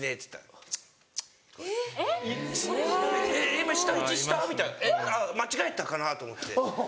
今舌打ちした？みたいな間違えたかな？と思ってとか。